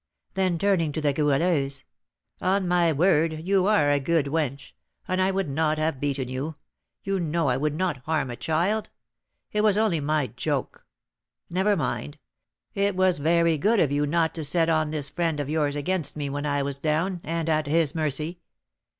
Then turning to the Goualeuse, "On my word, you are a good wench, and I would not have beaten you; you know I would not harm a child, it was only my joke. Never mind; it was very good of you not to set on this friend of yours against me when I was down, and at his mercy.